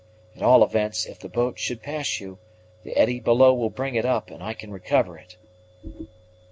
At all events, if the boat should pass you, the eddy below will bring it up, and I can recover it."